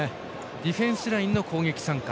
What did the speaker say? ディフェンスラインの攻撃参加。